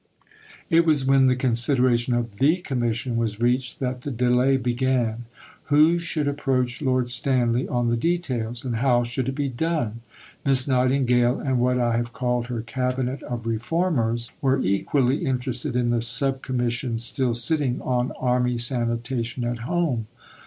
It was when the consideration of the Commission was reached that the delay began. Who should approach Lord Stanley on the details? And how should it be done? Miss Nightingale and what I have called her cabinet of reformers were equally interested in the Sub Commissions still sitting on Army Sanitation at home.